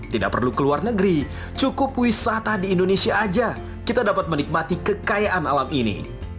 tidak perlu ke luar negeri cukup wisata di indonesia saja kita dapat menikmati kekayaan alam ini